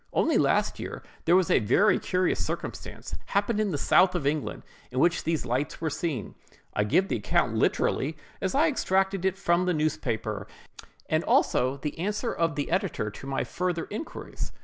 Only last year, there was a very curious circumstance happened in the south of England, in which these lights were seen. I give the account literally as I extracted it from the newspaper, and also the answer of the editor to my further inquiries.